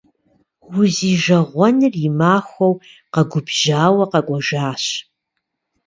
Узижэгъуэныр и махуэу къэгубжьауэ къэкӏуэжащ.